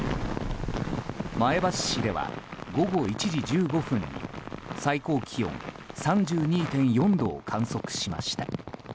前橋市では午後１時１５分に最高気温３２．４度を観測しました。